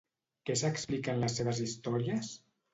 Què s'explica en les seves històries?